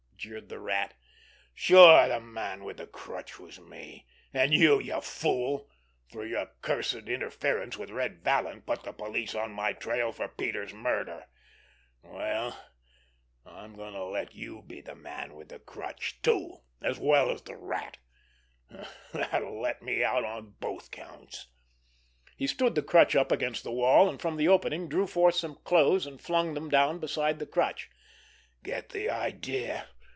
jeered the Rat. "Sure, the Man with the Crutch was me! And you, you fool, through your cursed interference with Red Vallon, put the police on my trail for Peters' murder. Well, I'm going to let you be the Man with the Crutch too—as well as the Rat. That'll let me out on both counts!" He stood the crutch up against the wall, and from the opening drew forth some clothes and flung them down beside the crutch. "Get the idea?